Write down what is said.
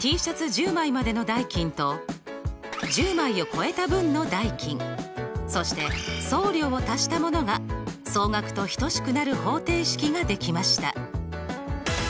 Ｔシャツ１０枚までの代金と１０枚を超えた分の代金そして送料を足したものが総額と等しくなる方程式ができました。